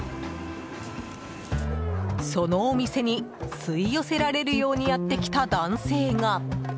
そのお店に吸い寄せられるようにやってきた男性が。